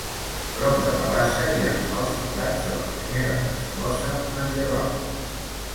Prop de la bassa hi ha els forats de la primera resclosa medieval.